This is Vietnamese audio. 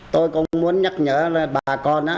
tôi cũng muốn nhắc nhở bà con